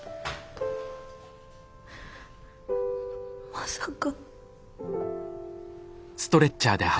まさか。